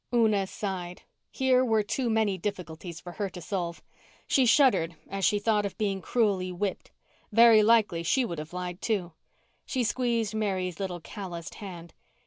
Una sighed. Here were too many difficulties for her to solve. She shuddered as she thought of being cruelly whipped. Very likely she would have lied too. She squeezed Mary's little calloused hand.